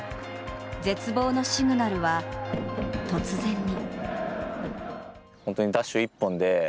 絶望のシグナルは、突然に。